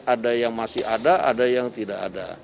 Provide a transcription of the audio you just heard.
ada yang masih ada ada yang tidak ada